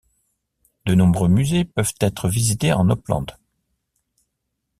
De nombreux musées peuvent être visités en Oppland.